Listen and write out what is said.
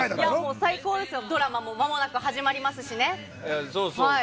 最高ですよ、ドラマもまもなく始まりますしね。